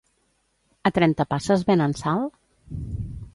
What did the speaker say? A Trentapasses venen sal?